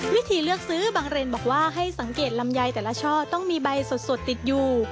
วิธีเลือกซื้อบางเรนบอกว่าให้สังเกตลำไยแต่ละช่อต้องมีใบสดติดอยู่